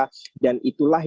dan itulah yang harus dilakukan